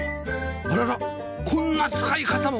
あららこんな使い方も！？